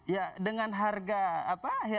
ya dengan harga apa